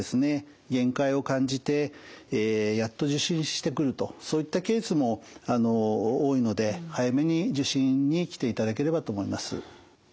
限界を感じてやっと受診してくるとそういったケースも多いので早めに受診に来ていただければと思います。